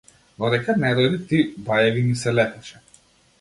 Додека не дојде ти, бајаги ми се лепеше.